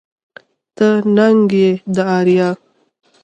ته ننگ يې د اريا